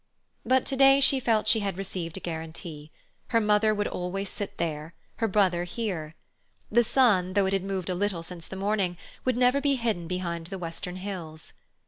But to day she felt she had received a guarantee. Her mother would always sit there, her brother here. The sun, though it had moved a little since the morning, would never be hidden behind the western hills.